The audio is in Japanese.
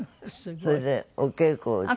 それでお稽古をして。